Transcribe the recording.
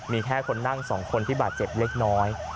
มีแค่คนนั่ง๒คนที่บาดเจ็บเล็กน้อย